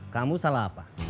kamu salah apa